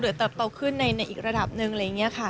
เติบโตขึ้นในอีกระดับหนึ่งอะไรอย่างนี้ค่ะ